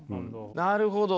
なるほど。